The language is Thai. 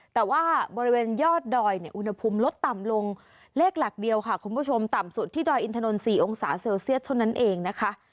แต่ว่าบริเวณยอดดอยเนี่ยอุณหภูมิลดต่ำลงเลขหลักเดียวค่ะคุณผู้ชมต่ำสุดที่ดอยอินทนน๔องศาเซลเซียสเท่านั้นเองนะคะ